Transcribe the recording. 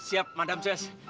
iya madam sis